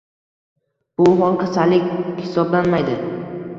Bu hol kasallik hisoblanmaydi.